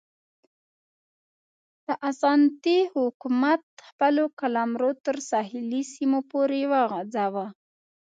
د اسانتي حکومت خپل قلمرو تر ساحلي سیمو پورې وغځاوه.